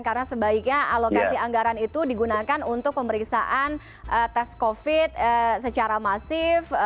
karena sebaiknya alokasi anggaran itu digunakan untuk pemeriksaan tes covid secara masif